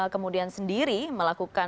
kemudian sendiri melakukan